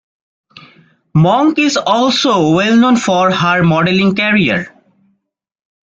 Monk is also well known for her modelling career.